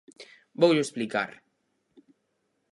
Voullo explicar.